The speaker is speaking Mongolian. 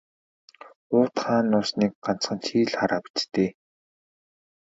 Уут хаана нуусныг ганцхан чи л хараа биз дээ.